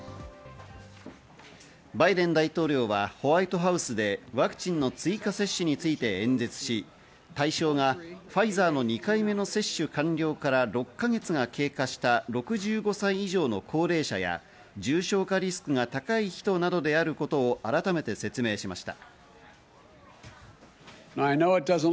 バイデン大統領はホワイトハウスでワクチンの追加接種について演説し、対象が、ファイザーの２回目の接種完了から６か月が経過した６５歳以上の高齢者や重症化リスクが高い人などであることを改めて説明しました。